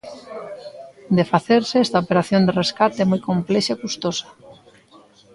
De facerse, esta operación de rescate é moi complexa e custosa.